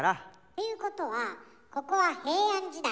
ていうことはここは平安時代？